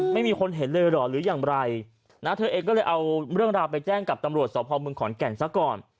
ไม่มีคนเห็นเลยเหรอหรืออย่างไรนะเธอเองก็เลยเอาเรื่องราวไปแจ้งกับตำรวจสพเมืองขอนแก่นซะก่อน